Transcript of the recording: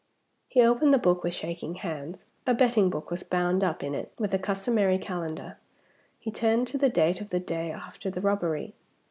He opened the book with shaking hands. A betting book was bound up in it, with the customary calendar. He turned to the date of the day after the robbery.